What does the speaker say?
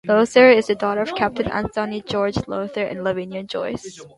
Lowther is the daughter of Captain Anthony George Lowther and Lavinia Joyce.